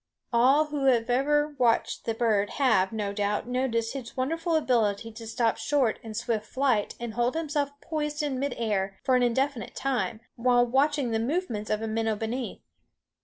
All who have ever watched the bird have, no doubt, noticed his wonderful ability to stop short in swift flight and hold himself poised in midair for an indefinite time, while watching the movements of a minnow beneath.